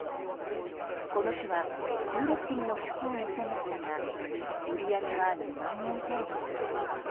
この日は１６組の客を乗せましたが売り上げは、２万円程度。